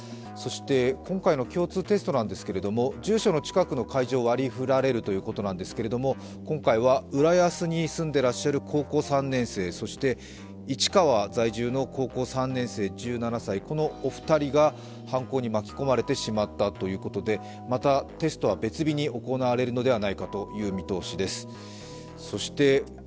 そして今回の共通テストなんですけど、住所の近くの会場を割り振られるということなんですが今回は浦安に住んでいらっしゃる高校３年生、そして市川在住の高校３年生１７歳このお二人が犯行に巻き込まれてしまったということでまた、テストは別日に行われるのではないかという見通しです。